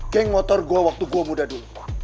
gang motor gua waktu gua muda dulu